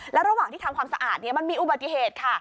และระหว่างที่ทำความสะอาดมันมีอุบัติเหตุค่ะ